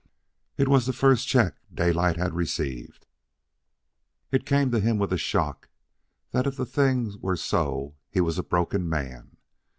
It was the first check Daylight had received. It came to him with a shock that if the thing were so he was a broken man.